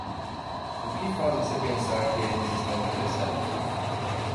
O que faz você pensar que eles estão interessados??